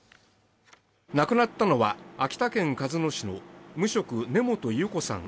亡くなったのは秋田県鹿角市の無職根本愉子さん